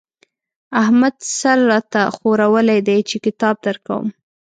احمد سر را ته ښورولی دی چې کتاب درکوم.